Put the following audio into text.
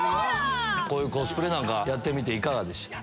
こういうコスプレなんかやってみていかがでしたか？